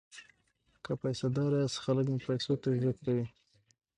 که پیسه داره یاست خلک مو پیسو ته عزت کوي.